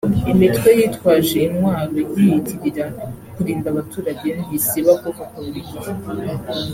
Imitwe yitwaje intwaro yiyitirira kurinda abaturage ntisiba kuvuka buri gihe